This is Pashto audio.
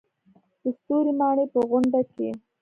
د ستوري ماڼۍ په غونډه کې.